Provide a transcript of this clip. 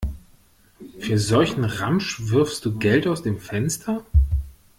Für solchen Ramsch wirfst du Geld aus dem Fenster?